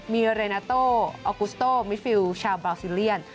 มีเรนาโตออกุสโตมิฟิลชาวบราซิเลียน